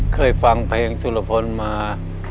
เคยฟังเพลงสุรพลมา